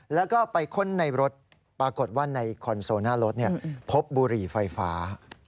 แล้วก็ไปค้นในรถปรากฏว่าในคอนโซลหน้ารถพบบุหรี่ไฟฟ้า